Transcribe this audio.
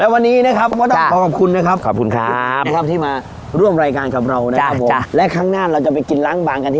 แล้ววันนี้นะครับขอบคุณนะครับขอบคุณครับ